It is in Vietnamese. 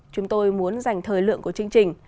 chúng tôi muốn dành thời lượng của chương trình